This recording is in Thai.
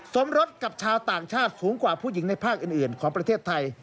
สมรสกับชาวต่างชาติสูงกว่าผู้หญิงในภาคอื่นของประเทศไทย